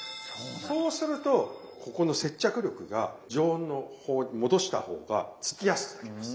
そうするとここの接着力が常温に戻した方がつきやすくなります。